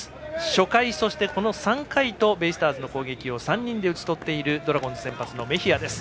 初回、そしてこの３回とベイスターズの攻撃を３人で打ち取っているドラゴンズ先発のメヒアです。